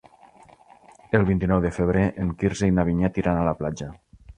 El vint-i-nou de febrer en Quirze i na Vinyet iran a la platja.